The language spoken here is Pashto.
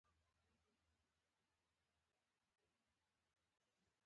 آیا د ګازو موټرې په افغانستان کې شته؟